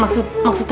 mas tuh makannya